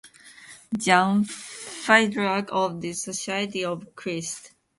Jan Fiedurek of the Society of Christ.